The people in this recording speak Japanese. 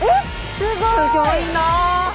すギョいな。